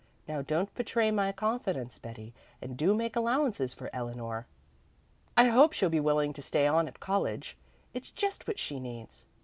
Now don't betray my confidence, Betty, and do make allowances for Eleanor. I hope she'll be willing to stay on at college. It's just what she needs.